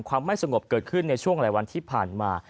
ไม่สงบเกิดขึ้นในช่วงหลายวันที่ผ่านมา